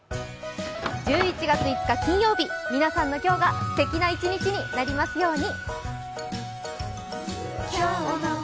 １１月５日、金曜日、皆さんの今日が素敵になりますように。